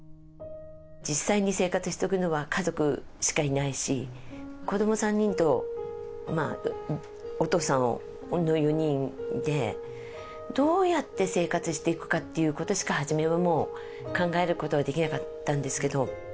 実際に生活していくのは家族しかいないし子ども３人とまあお父さんの４人でどうやって生活していくかっていうことしか初めはもう考えることができなかったんですけど。